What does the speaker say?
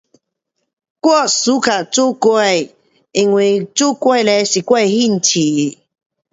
我喜欢做糕,因为做糕是我的兴趣